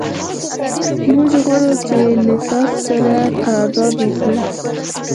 موږ غواړو چې له تا سره قرارداد وکړو.